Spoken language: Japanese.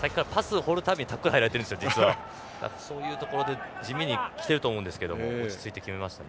さっきからパスを放るたびにタックルに入られているのでそういうところで地味にきていると思いますが落ち着いて決めました。